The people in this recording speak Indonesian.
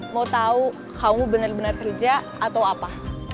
mau tau kamu bener bener kerja atau apa